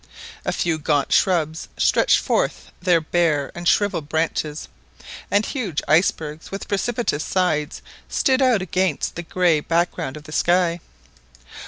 A few gaunt shrubs stretched forth their bare and shrivelled branches, and huge icebergs with precipitous sides stood out against the grey background of the sky.